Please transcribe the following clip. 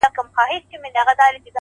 زه په دې خپل سركــي اوبـــه څـــښـمــه ـ